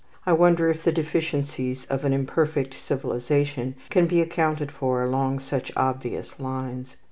I wonder if the deficiencies of an imperfect civilization can be accounted for along such obvious lines.